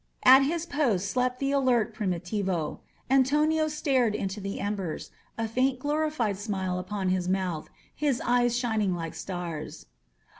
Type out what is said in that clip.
At his post slept the alert Fri* mitivo. Antonio stared into the embers, a faint glori fied smile upon his mouth, his eyes shining like stars.